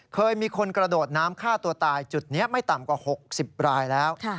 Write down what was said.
เคยมีคนกระโดดน้ำฆ่าตัวตายจุดนี้ไม่ต่ำกว่า๖๐รายแล้ว